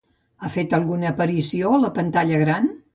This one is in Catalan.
Ha fet alguna aparició a la pantalla gran?